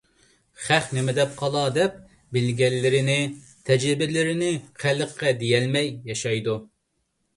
خەق نېمە دەپ قالار دەپ، بىلگەنلىرىنى، تەجرىبىلىرىنى خەلققە دېيەلمەي ياشايدۇ.